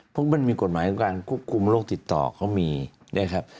เพราะมันมีกฎหมายของการควบคุมโรคติดต่อเขามีนะครับ